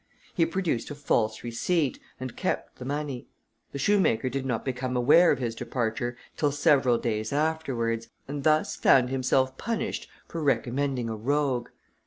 He produced a false receipt, and kept the money. The shoemaker did not become aware of his departure till several days afterwards, and thus found himself punished for recommending a rogue.